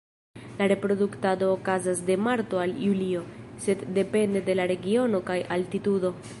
La reproduktado okazas de marto al julio, sed depende de la regiono kaj altitudo.